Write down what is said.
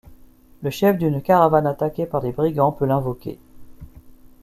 Le chef d'une caravane attaqué par des brigands peut l'invoquer.